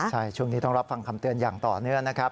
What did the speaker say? ใช่ช่วงนี้ต้องรับฟังคำเตือนอย่างต่อเนื่องนะครับ